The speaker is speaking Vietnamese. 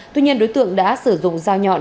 tuy nhiên đối tượng đã sử dụng dao nhọn